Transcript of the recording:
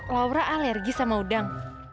laura alergi sama udang